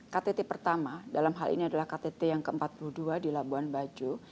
ktt pertama dalam hal ini adalah ktt yang ke empat puluh dua di labuan bajo